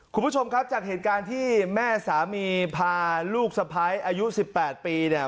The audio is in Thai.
คุณผู้ชมครับจากเหตุการณ์ที่แม่สามีพาลูกสะพ้ายอายุ๑๘ปีเนี่ย